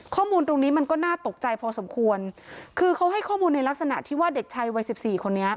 ข้อมูลตรงนี้มันก็น่าตกใจพอสมควรคือเขาให้ข้อมูลในลักษณะที่ว่าเด็กชายวัยสิบสี่คนนี้